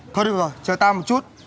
thôi được rồi chờ tao một chút